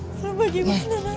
lalu bagaimana datuk